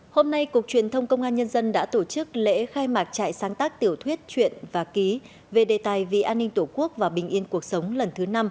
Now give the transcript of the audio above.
hôm nay cục truyền thông công an nhân dân đã tổ chức lễ khai mạc trại sáng tác tiểu thuyết chuyện và ký về đề tài vì an ninh tổ quốc và bình yên cuộc sống lần thứ năm